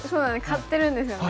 飼ってるんですよね。